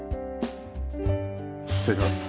失礼します。